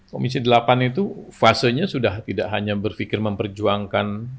komisi delapan itu fasenya sudah tidak hanya berpikir memperjuangkan